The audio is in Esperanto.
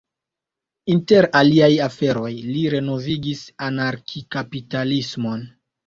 Inter aliaj aferoj, li renovigis anarki-kapitalismon.